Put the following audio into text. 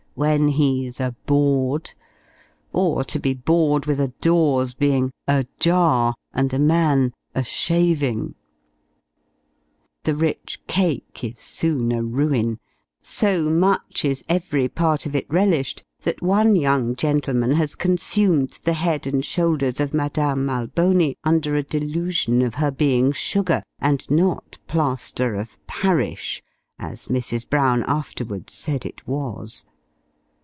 when he's a board: or to be bored with a door's being a jar, and a man a shaving. The rich cake is soon a ruin; so much is every part of it relished, that one young gentleman has consumed the head and shoulders of Madame Alboni, under a delusion of her being sugar, and not "plaster of parish," as Mrs. Brown afterwards said it was.